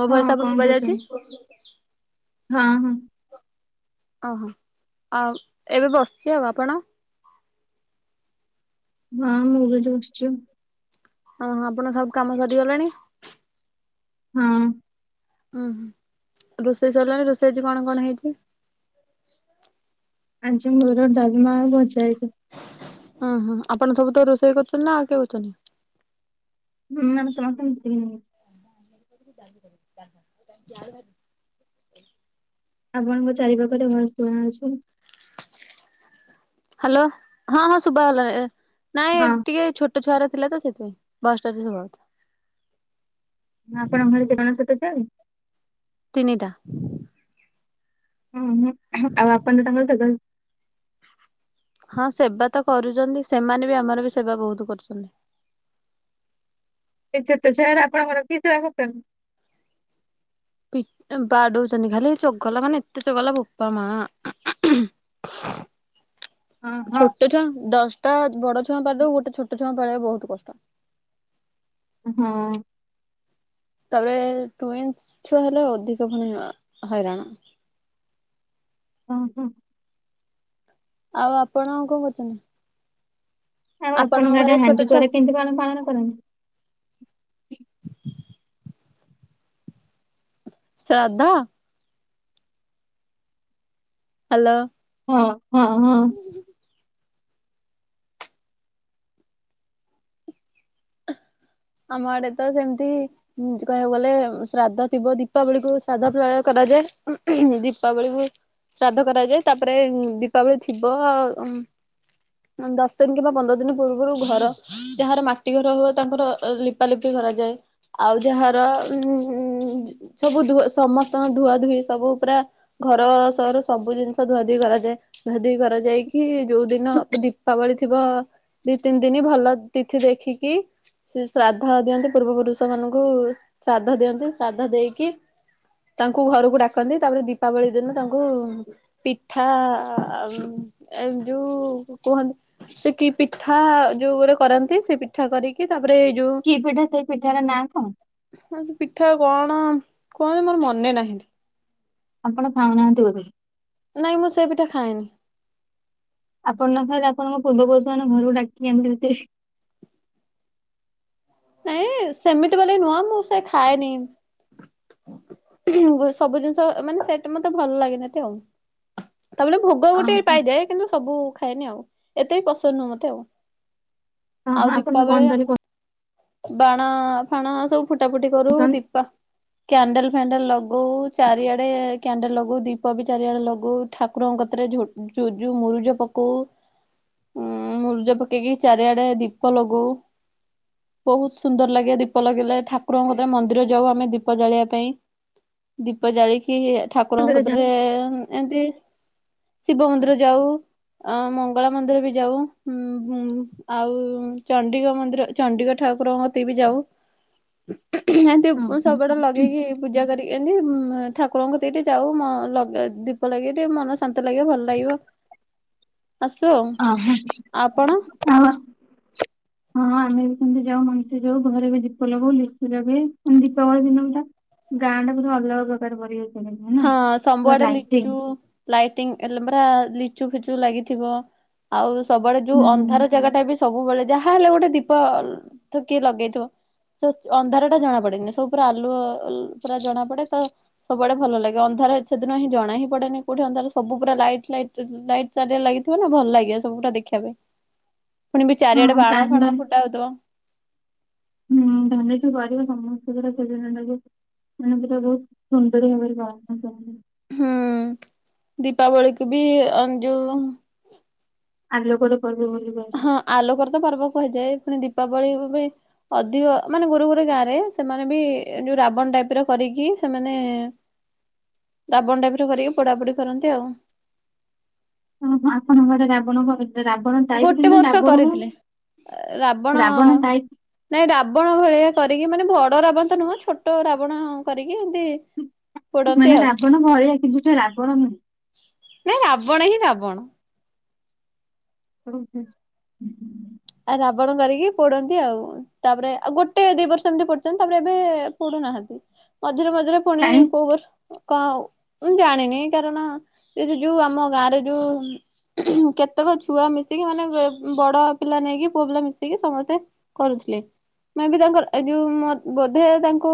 ମୋ ହଁ ଭୟସ ଆପଣଙ୍କୁ କଣ ପା କରୁଛନ୍ତି ଯାଉଛି। ହଁ ହଁ। ଓହୋ ଆଉ ଏବେ ବସିଛି ଆଉ ଆପଣ? ହଁ ମୁଁ ବି ଏଠି ବସିଚି ଆଉ। ଓହୋ ଆପଣ ସବୁ କାମ ସରିଗଲାଣି। ହଁ। ଉଁ ହଁ ରୋଷେଇ ସରିଲାଣି ରୋଷେଇଛି କଣ କଣ ହେଇଛି? ଆଜି ମୋର ଡାଲମା ଭଜା ହେଇଚି। ଓଁ ହୁଁ ଆପଣ ସବୁ ତ ରୋଷେଇ କରୁଛନ୍ତି ନା ଆଉ କି ହଉଛନ୍ତି। [unintelligible] [unintelligible] ଆପଣଙ୍କ ଚାରି ପାଖରେ ଭଲ ଶୁଣା ହଉଛି? ହାଲୋ ହଁ ହଁ ଶୁଭ ହେଲାଣି ନାଇଁ ହଁ ଟିକେ ଛୋ ଛୋଟ ଛୁଆର ଥିଲା ତ ସେଥିପାଇଁ ବସଟା ସୁଭା ଯାଉଥିଲା। ଆପଣଙ୍କ ଘରେ ଜୀବଣ ସହିତ ଯାଣ ତିନିଟା। ହୁଁ ହୁଁ ଆଉ ଆପଣ ତ ତାଙ୍କ ସ ହଁ ସେବା ତ କରୁଚନ୍ତି ସେମାନେ ବି ଆମର ବି ସେବା ବହୁତ କରୁଚନ୍ତି। ଏଇ ଛୋଟ ଛୁଆରା ଆପଣଙ୍କର ରଖିକି ସେବା କରୁଛନ୍ତି? ପି ଏଁ ବାଡ଼ୋଉଚନ୍ତି ଖାଲି ଏ ଚଗଲା ମାନେ ଏତେ ଚଗଲା ବୋପା ମା। [unintelligible] ହଁ ହଁ ଛୋଟ ଛୁଆ ଦଶଟା ବଡ଼ ଛୁଆଙ୍କୁ ପାର୍ ଦବୁ ଗୋଟେ ଛୋଟ ଛୁଆଙ୍କୁ ପାଳିବା ବହୁତ୍ କଷ୍ଟ। ହଁ। ତଉରେ ଟୁଇନ୍ସ୍ ଛୁଆ ହେଲେ ଅଧିକ ଫୁଣି ଆ ହଇରାଣ। ଅଁ ହଁ। ଆଉ ଆପଣ କଁ କରୁଚନ୍ତି? ଆଉ ଆପଣଙ୍କ ଆଡ଼େ ଘରେ ଛୋଟ ହାଣ୍ଡି ଛୁଆ କରେ କେମତି ପାଳ ପାଳନ କରନ୍ତି? [inaudible] ଶ୍ରଦ୍ଧ? ହାଲୋ। ହଁ ହଁ ହଁ। ଆମ ଆଡ଼େ ତ ସେମତି ଉଁ କହିବାକୁ ଗଲେ ଶ୍ରାଦ୍ଧ ଥିବ ଦୀପାବଳିକୁୁ ଶ୍ରାଦ୍ଧ ପ୍ରୟ କରାଯାଏ ଉମ୍ ଉହୁଁ ଦୀପାବଳିକୁ ବି ଶ୍ରାଦ୍ଧ କରାଯାଏ ତାପରେ ଉ ଦୀପାବଳି ଥିବ ଉଁ ଅଁ ଦଶ ଦିନ୍ କିମ୍ବା ପନ୍ଦର ଦିନ ପୂର୍ବୁରୁ ଘର ଯାହାର ମାଟି ଘର ହବ ତାଙ୍କର ଲିପାଲୁପି କରାଯାଏ। ଆଉ ଯାହାର ଉଁ ସବୁ ଧୁ ସମସ୍ତଙ୍କ ଧୁଆ ଧୁଇ ସବୁ ପୁରା ଘର ସହର ସବୁ ଜିନିଷ ଧୁଆ ଧୁଇ କରାଯାଏ ଧୁଆଧୁଇ କରାଯାଇକି ଯୋଉ ଦିନ ବୁ ଦୀପାବଳି ଥିବ ଦି ତିନି ଦିନ ଭଲ ତିଥି ଦେଖିକି ସେ ଶ୍ରାଦ୍ଧ ଦିଅନ୍ତି ପୂର୍ବ ପୁରୁଷମାନଙ୍କୁ ଶ୍ରାଦ୍ଧ ଦିଅନ୍ତି ଶ୍ରାଦ୍ଧ ଦେଇକି ତାଙ୍କୁ ଘରୁକୁ ଡାକନ୍ତି ତାପରେ ଦୀପାବଳି ଦିନ ତାଙ୍କୁ ପିଠା ଉଁ ଏ ଯୋଉ କୁହନ୍ତି ସେ କି ପିଠା ଯୋଉ ଗୋଟେ କରନ୍ତି ସେ ପିଠା କରିକି ତାପରେ ଯୋଉ କି ପିଠା ସେଇ ପିଠାର ନାଁ କଁ? ହଁ ସେ ପିଠା କଣ କୁହନ୍ତି ମୋର ମନେ ନାହିଁ। ଆପଣ ଖାଉନାହାନ୍ତି ବୋଧେ? ନାଇଁ ମୁଁ ସେ ପିଠା ଖାଏନି। ଆପଣ ନ ଖାଇଲେ ଆପଣଙ୍କ ପୂର୍ବ ପୁରୁଷମାନେ ଘରୁକୁ ଡାକି ଆଣିକି ଦେଇତେ। ନାଇଁ ସେମିତି ବୋଲି ନୁହଁ ମୁଁ ସେ ଖାଏନି। ସବୁ ଜିନିଷ ମାନେ ସେଟା ମତେ ଭଲ ଲାଗେନା ଏତେ ଆଉ ତା ବଲେ ଭୋ ଗ ଗୋଟେ ଓହୋ। ପାଇଯାଏ କିନ୍ତୁ ସବୁ ଖାଏନି ଆଉ ଏତେ ବି ପସନ୍ଦ ନୁହଁ ମତେ ଆଉ। ଓହୋ ଆଉ ଆପଣଙ୍କୁ କଣ ଦୀପାବଳି ତାହେଲେ ଆମେ ବାଣ ଫାଣ ସବୁ ଫୁଟା ଫୁଟି କରୁ ପସନ୍ଦ ଦୀପା କ୍ୟାଣ୍ଡେଲ୍ ଫ୍ୟାଣ୍ଡେଲ୍ ଲଗଉ ଚାରିଆଡ଼େ କ୍ୟାଣ୍ଡେଲ୍ ଲଗଉ ଦୀପ ବି ଚାରିଆଡ଼େ ଲଗଉ ଠାକୁରଙ୍କ କତିରେ ଝୋ ଜୁଜୁ ମୁରୁଜ ପକଉ। ଉଁ ମୁରୁଜ ପକେଇକି ଚାରିଆଡ଼େ ଦୀପ ଲଗଉ। ବୋହୁତ ସୁନ୍ଦର ଲାଗେ ଦୀପ ଲଗେଇଲେ ଠାକୁରଙ୍କ କତିରେ ମନ୍ଦିର ଯାଉ ଆମେ ଦୀପ ଜାଳିବା ପାଇଁ। ଦୀପ ଜାଳିକି ଠାକୁରଙ୍କ କତିରେ ଏନ୍ତି ଶିବ ମନ୍ଦିର ଯାଉ। ଅଁ ମଙ୍ଗଳା ମନ୍ଦିର ବି ଯାଉ ହୁଁ ହୁଁ ଆଉ ଚଣ୍ଡୀଙ୍କ ମନ୍ଦିର ଚଣ୍ଡିକ ଠାକୁରଙ୍କ କତିକି ବି ଯାଉ। ଏନ୍ତି ଓହୋ। ସବୁଆଡ଼େ ଲଗେଇକି ପୂଜା କରି ଏନ୍ତି ଉଁ ଠାକୁରଙ୍କ କତିକି ଟିକେ ଯାଉ ମ ଲଗା ଦୀପ ଲଗେଇ ଟିକେ ମନ ଶାନ୍ତ ଲାଗିଅ ଭଲ ଲାଗିବ। ଆସୁ ଆଉ। ଅହଃ। [inaudible] ହଁ ଆମେ ବି ସେମତି ଯାଉ ମନ୍ଦିର ଘରେ ବି ଦୀପ ଲଗଉ ଲିଚୁ ଲଗେଇ ଦୀପାବଳି ଦିନଟା ଗାଁଟା ବୋଧେ ଅଲଗା ପ୍ରକାର ପରିବେ ହଁ ସମ୍ବୁଆଡେ଼ ଲିଚୁ ଲାଇଟିଙ୍ଗ ହେଲେ ପରା ଲିଚୁ ଫିଚୁ ଲାଗିଥିବ। ଆଉ ସବୁଆଡେ ଯୋଉ ହୁଁ ଅନ୍ଧାର ଜାଗା ଟା ବି ସବୁବେଳେ ଯାହାହଲେ ଗୋଟେ ଦୀପ ଥ କିଏ ଲଗେଇଥିବ। ସେ ଅନ୍ଧାର ଟା ଜଣା ପଡେନି। ସବୁ ପୁରା ଆଲୁଅ ପୁରା ଜଣା ପଡେ ତ ସବୁଆଡେ ଭଲ ଲାଗେ। ଅନ୍ଧାର ସେ ଦିନ ହିଁ ଜଣା ହିଁ ପଡେନି କଉଠି ଅନ୍ଧାର ସବୁ ପୁରା ଲାଇଟ୍ ଲାଇଟ ଲାଇ୍ ଚାରି ଆଡେ ଲାଗିଥିବ ନା, ଭଲ ଲାଗିବ ସବୁୁ ଗୁଡା ଦେଖିବା ପାଇଁ। ପୁଣି ବି ଚାରିଆଡେ ହଁ ବାଣ ଫାଣ କାନ୍ଦନ ଫୁଟା ହଉଥିବ। ହୁଁ ଧନୀଠୁ କରିବ ସମସ୍ତଙ୍କର ସେଜନା ଟାକୁ ମାନେ ପୁରା ବହୁତ ସୁନ୍ଦର ଭାବରେ ଗଣନା କରନ୍ତି। ହୁଁ ଦୀପାବଳିକୁୁ ବି ଅଞ୍ଜୁ ଆଲୋକରେ ପର୍ବ ବୋଲି କୁହାଯାଏ। ହଁ ଆଲୋକର ତ ପର୍ବ କୁହାଯାଏ, ପୁଣି ଦୀପାବଳିକୁ ବି ଅଧିକ ମାନେ ଗୁରୁ ଗୁରୁ ଗାଁରେ ସେମାନେ ବି ଯୋଉ ରାବଣ ଟାଇପ ର କରିକି ସେମାନେ ରାବଣ ଟାଇପର କରିକି ପୋଡ଼ା ପୋଡ଼ି କରନ୍ତି ଆଉ। ଓଃ ହୋ ଆପଣ ଘରେ ରାବଣ କରନ୍ତି। ରାବଣ ଟାଇପରେ ଗୋଟେ ନୁହେଁ ବର୍ଷ ରାବଣ କରିଥିଲେ କଣ ରାବଣ ଟାଇପ୍ ନାଇଁ ରାବଣ ଭଳିଆ କରିକି ମାନେ ବଡ ରାବଣ ତ ନୁହଁ ଛୋଟ ରାବଣ କରିକି ଏମତି ମାନେ ରାବଣ ଭଳିଆ କିନ୍ତୁ ସେ ରାବଣ ନୁହେଁ। ନାଇଁ ରାବଣ ହିଁ ରାବଣ। [unintelligible] ଆ ରାବଣ କରିକି ପୋଡନ୍ତି ଆଉ। ତାପରେ ଆଉ ଗୋଟେ ଦି ବର୍ଷ ଏମତି ପୋଡିଛନ୍ତି, ତାପରେ ଏବେ ପୋଡୁନାହାନ୍ତି। ମଝିରେ ମଝିରେ ପୁଣି କାଇଁ କୋଉ ବର୍ଷ କଉ, ମୁଁ ଜାଣିନି କାରଣ, ଏଇ ଯୋ ଯୋଉ ଆମ ଗାଁରେ ଯୋଉ କେତେକ ଛୁଆ ମିଶିକି ମାନେ ବଡ଼ ପିଲା ନେଇକି ପୁଅ ପିଲା ମିଶିକି ସମସ୍ତେ କରୁଥିଲେ। ମେ ବି ତାଙ୍କର ଏ ଯୋଉ ବୋଧେ ତାଙ୍କୁ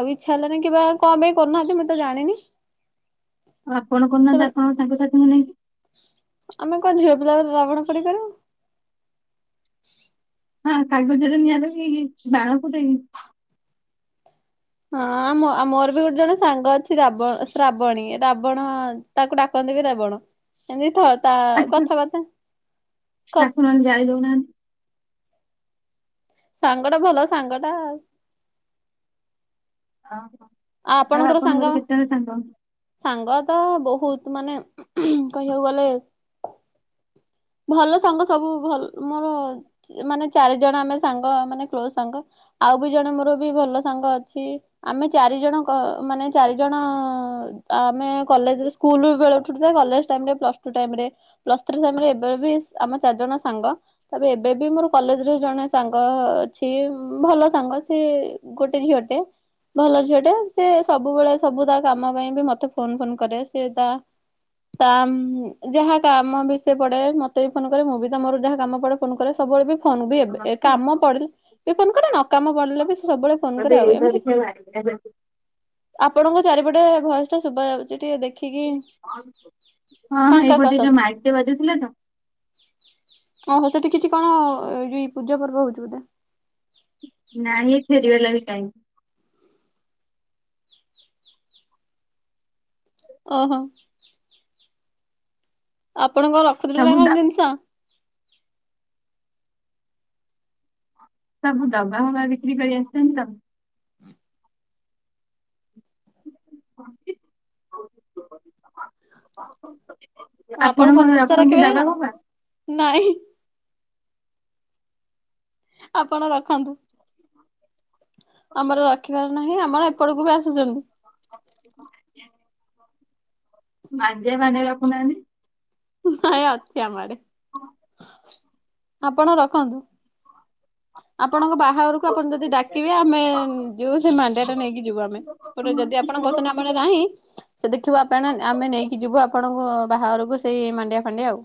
ଆଉ ଇଚ୍ଛା ହେଲାନି କିବା କଣ ପାଇଁ କରୁନାହାନ୍ତି ମୁଁ ତ ଜାଣିନି। ଆଉ ଆପଣ କରୁନାହାନ୍ତି ସେମାନେ ଆପଣଙ୍କ ସାଙ୍ଗସାଥି ମ ନେଇକି? ଆମେ କଣ ଝିଅ ପିଲା ରାବଣ ପୋଡି ପାରିବୁ? ହଁ କାଗଜରେ ନିଆଁ ଲ ବି ହେଇ ବାଳ ଫୁଟେଇି ହଁ ମୋର ବି ଗୋଟେ ଜଣେ ସାଙ୍ଗ ଅଛି ରାବଣ ଶ୍ରାବଣୀ ରାବଣ ତାକୁ ଡାକନ୍ତି ବି ରାବଣ ଏମିତି ଥ ତା କଥାବାର୍ତ୍ତା ଖାଇ ଦେଉନାହାନ୍ତି? ସାଙ୍ଗ ଟା ଭଲ ସାଙ୍ଗଟା। ଓହୋ। ଆଉ ଆପଣଙ୍କର କେତେ ଜଣ ସାଙ୍ଗ? ସାଙ୍ଗ ତ ବୋହୁତ୍ ମାନେ କହିବାକୁ ଗଲେ ଭଲ ସାଙ୍ଗ ସବୁ ଭଲ ମୋର ମାନେ ଚାରି ଜଣ ଆମେ ସାଙ୍ଗ ମାନେ କ୍ଲୋଜ ସାଙ୍ଗ। ଆଉ ବି ଜଣେ ମୋର ବି ଭଲ ସାଙ୍ଗ ଅଛି। ଆମେ ଚାରିଜଣ ମାନେ ଚାରିଜଣ ଆମେ କଲେଜ ସ୍କୁଲ ବେଳେ ଉଠୁ କଲେଜ ଟାଇମ୍ରେ ପ୍ଲସ୍ ଟ ଟାଇମ୍ ରେ, ପ୍ଲଷ୍ ଥ୍ରୀ ଟାଇମ୍ ରେ ଏବେ ବି ଆମେ ଚାରି ଜଣ ସାଙ୍ଗ। ତାପ ଏବେ ବି ମୋର କଲେଜରେ ଜଣେ ସାଙ୍ଗ ଅଛି ଭଲ ସାଙ୍ଗ ସେ ଗୋଟେ ଝିଅଟେ ଭଲ ଝିଅଟେ। ସିଏ ସବୁବେଳେ ସବୁ ତା କାମ ପାଇଁ ବି ମତେ ଫୋନ ଫୋନ କରେ। ସିଏ ତା ତାମ୍ ଯାହା କାମ ବି ସେ ପଡେ ମ ତେ ବି ଫୋନ କରେ। ମୁଁ ବି ମୋର ଯାହା କାମ ପଡେ ଫୋନ କରେ, ସବୁବେଳେ ବି ଫୋନ ବି ଏବେ ହଁ କାମ ପଡିଲ ବି ଫୋନ କରେ ନ କାମ ପଡ଼ିଲେ ବି ସବୁବେଳେ ଫୋନ କରେ ଆଉ। ଏମିତି [unintelligible] ଆପଣଙ୍କ ଚାରିପଟେ ବୟସ ଟା ଶୁଭ ଯାଉଛି ଟିକେ ଦେଖ ରଖିକି ହଁ ଫାଙ୍କା କୁ ଏଇପଟେ ଯୋଉ ଆସନ୍ତୁ। ମାଇକ୍ ଟେ ବାଜୁଥିଲା ତ ଓହୋ ସେଠି କିଛି କଣ ଏ ଯଉ ପୂଜା ପର୍ବ ହଉଛି ବୋଧେ ନାଇଁ ଫେରି ବାଲା ବି କାଇଁ? ଓହୋ। ଆପଣଙ୍କ ରଖୁଥିଲେ ନା ସବୁ କଣ ଡ ଜିନିଷ? ସବୁ ଦବା ହବା ବିକ୍ରି କରି ଆସିଛନ୍ତି ତ ଆପଣ କଣ ଜିନିଷ ରଖନ୍ତି ରଖିବେ ଡବା ନା କଣ ଫବା? ନାଇଁ। ଆପଣ ରଖନ୍ତୁ। ଆମର ରଖିବାର ନାହିଁ ଆମର ଏପଟକୁ ବି ଆସୁଛନ୍ତି। [unintelligible] ମାଣ୍ଡିଆ ଫାଣ୍ଡିଆ ରଖୁନାହାନ୍ତି? ନାଇଁ ଅଛି ଆମ ଆଡେ ଆପଣ ରଖନ୍ତୁ। ଆପଣଙ୍କ ବାହାଘରକୁ ଆପଣ ଯଦି ଡାକିବେ ଆମେ ଯିବୁ ସେ ମାଣ୍ଡିଆ ଟା ନେଇକି ଯିବୁ ଆମେ। ପଟେ ଯଦି ଆପଣ କହୁଥିଲେ ଆମର ନାହିଁ ସେ ଦେଖିବା ଆପଣ ଆମେ ନେଇକି ଯିବୁ ଆପଣଙ୍କୁ ବାହାରରକୁ ସେଇ ମାଣ୍ଡିଆ ଫାଣ୍ଡିଆ ଆଉ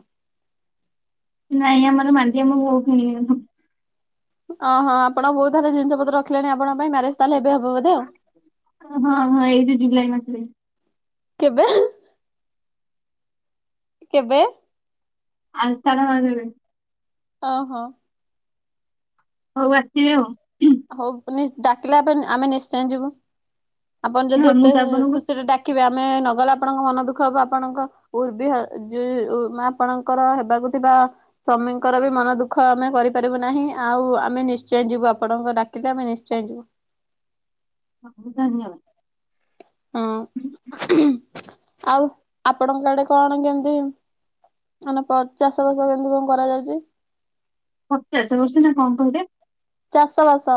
ନାଇଁ ଆମର ମାଣ୍ଡି ଆମ ବୋଉ କିଣି ଓ ହଁ ଆପଣ ବହୁତ ଥ ଜିନିଷ ପତ ରଖିଲେ ଆପଣଙ୍କ ପାଇଁ ମ୍ୟାରେଜ ତାହେଲେ ଏବେ ହବ ବୋଧେ ଆଉ। ହଁ ହଁ ଏଇଠି ଜୁଲାଇ ମାସରେ। କେବେ? କେବେ? ଆଉଥଳ ମରେ। ଓହୋ। ହଉ ଆସିବେ ଆଉ। ହଉ ଡାକିଲେ ଆମେ ନିଶ୍ଚୟ ଯିବୁ ଆପଣ ଯଦି ହଁ ମୁଁ ଏତେ ତ ଆପଣଙ୍କୁ ଖୁସିରେ କେବେ ଆମେ ନଗଲେ ଆପଣଙ୍କ ମନ ଦୁଃଖ ହେବ ଆପଣଙ୍କ ଉର୍ବିମା ଆପଣଙ୍କର ହେବାକୁ ଥିବା ସ୍ୱାମୀଙ୍କର ବି ମନ ଦୁଃଖ ଆମେ କରିପାରିବୁ ନାହିଁ ଆଉ ଆମେ ନିଶ୍ଚୟ ଯିବୁ ଆ ଆପଣଙ୍କ ଡାକିଲେ ଆମେ ନିଶ୍ଚୟ ଯିବୁ ହଁ ଧନ୍ୟବାଦ। ହଁ ଆଉ ଆପଣଙ୍କ ଆଡେ କଣ କେମିତି? ମାନେ ଚାଷ ବାସ କେମତି କଣ କରାଯାଉଚି। ପଚାଶ ବର୍ଷ ନା କଣ କହିଲେ? ଚାଷ ବାସ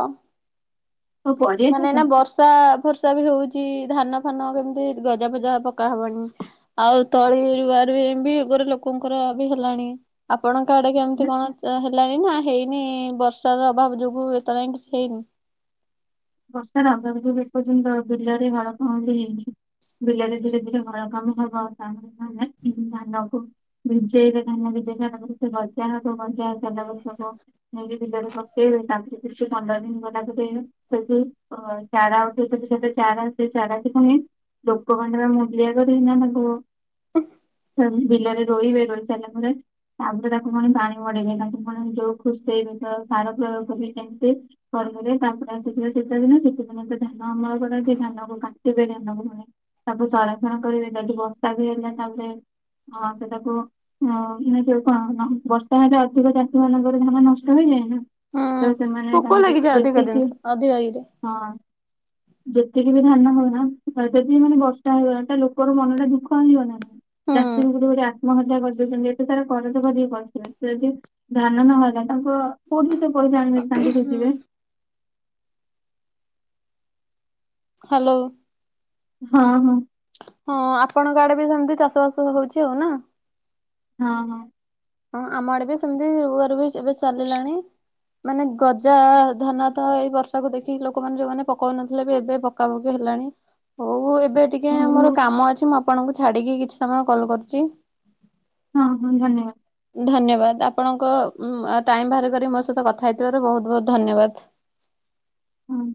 ଓ ପରିବା ମାନେ ଚାଷ ନା ବର୍ଷା ବର୍ଷା ବି ହଉଛି ଧାନ ଫାନ କେମିତି ଗଜା ଫଜା ପକାହବଣି। ଆଉ ତଳିରୁୁଆରୁଇ ଏମତି ଏଗୋରେ ଲୋକଙ୍କର ବି ହେଲାଣି। ଆପଣଙ୍କ ଆଡେ ନା କେମିତି କଣ ହେଲାଣି ନା ହେଇନି ବର୍ଷାର ଅଭାବ ଯୋଗୁ ଏତଳ ଆଙ୍କେ କିଛି ହେଇନି। ବର୍ଷାଗାବ ଏପର୍ଯ୍ୟନ୍ତ ବିଲରେ ହାଳ କହଁଲି ହେଇନି। ବିଲରେ ଧୀରେ ଧୀରେ ଭଲ କାମ ହବ ତା ମାନେ ମାନଙ୍କୁ ବିଜେଇବା ଧାନା ବିଜେଇ ମଜା ହବୁ ମଜା ହ ସବୁ। ନେଇକି ଭିଲରେ ପକେଇବେ ତାପରେ କିଛି ପନ୍ଦର ଦିନ ଗଲା ପରେ ତ ଚାରା ଆ ତ ସୋ ଚାରା ଆ ଚାରା ସେ କ ଲୋକ ଖଣ୍ଡ ବା ମୁୂଲିଆ କରିକିନା ତାକୁ ହୁଁ। ବିଲରେ ରୋଇବେ ରୋଇ ସାରିଲା ପରେ ତାପରେ ତାକୁ ପଣି ପାଣି ମଡେଇବେ ତାକୁ ପଣି ଯୋଉ ଖୁସି ହେବେି ତ ସାର ପ୍ରୟୋଗ କରିବ କେମିତି? ଘ ତାଙ୍କ ସେ ଶୀତ ଦିନ ଶୀତ ଦିନ ତ ଧାନ ଅମଳ କରାଉଛି ଧାନ କାଟିବେ ଧାନକୁ ପୁଣି ତାକୁ ସରାସଣା କରିବେ ଯଦି ବର୍ଷା ବି ହେଲା ତାହ ହ ସେ ତାକୁ ଓାନ ଯୋଉ କଣ ବର୍ଷା ହେଲେ ଅଧିକ ଚାଷୀ ମାନଙ୍କର ଧାନ ନଷ୍ଟ ହେଇଯାଏ ନା। ହୁଁ ତ ସେମାନେ ପୋକ ତାପରେ ଲାଗିଯାଏ ଅଧିକ ଯେତିକି ଜିନିଷ ଅଧିକା ଏଇରେ ହଁ, ଯେତିକି ବି ଧାନ ହଉନା ଯଦି ମାନେ ବର୍ଷା ହେଇଗଲା ଲୋକର ମନଟା ଦୁଃଖ ହେଇଯିବ ନା। ହୁଁ। ଚାଷୀ ଗୋଟେ ଗୋଟେ ଆତ୍ମହତ୍ୟା କରିଦଉଛନ୍ତି ଏତେ ସାରା କରଜ କରିକି କରିଥିବେ ସେ ଯଦି ଧାନ ନହେଲା ତାଙ୍କୁ କୋଉଠି ବି ସେ ପଇସା ଆଣିବେ ତାଙ୍କୁ ହୁଁ। ସୁଯିବେ। ହ୍ୟାଲୋ, ହଁ ହଁ, ହଁ ଆପଣଙ୍କ ଆଡେ ବି ସେମିତି ଚାଷ ବାସ ହଉଛି ଆଉ ନା। ହଁ ହଁ, ହଁ ଆମ ଆଡେ ବି ସେମତି ରୁଆ ରୁଇ ବି ଏବେ ଚାଲିଲାଣି। ମାନେ ଗଜା-ଆ-ଆ ଧାନ ତ ଏଇ ବର୍ଷାକୁ ଦେଖିକି ଲୋକମାନେ ଯୋଉମାନେ ପକାଉନଥିଲେ ବି ଏବେ ପକାପକି ହେଲାଣି। ହଉ ଏବେ ଟିକେ ହଉ ମୋର କାମ ଅଛି ମୁଁ ଆପଣଙ୍କୁ ଛାଡିକି କିଛି ସମୟ କଲ କରୁଛି। ହଁ ହଁ ଧନ୍ୟବାଦ। ଧନ୍ୟବାଦ, ଆପଣଙ୍କ ଅ ଟାଇମ ବାହାର କରି ମୋ ସହିତ କଥା ହେଇଥିବାରୁ ବହୁତ ବହୁତ ଧନ୍ୟବାଦ। ହ୍ହୁଁ।